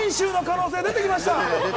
写真集の可能性出てきました。